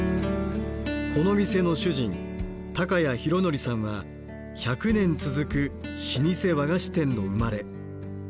この店の主人高家裕典さんは１００年続く老舗和菓子店の生まれ。